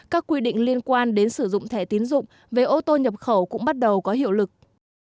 các quy định liên quan đến sử dụng thẻ tiến dụng về ô tô nhập khẩu cũng bắt đầu có hiệu lực